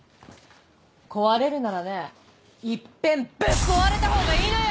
壊れるならねいっぺんぶっ壊れたほうがいいのよ！